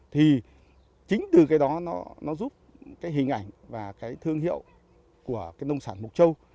thì chính từ cái đó nó giúp cái hình ảnh và cái thương hiệu của cái nông sản mộc châu